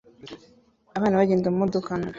Abana bagenda mumodoka nto